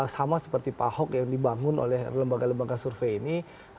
sama seperti pak ahok yang dibangun oleh lembaga lembaga survei ini